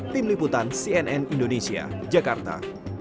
tim liputan cnn indonesia jakarta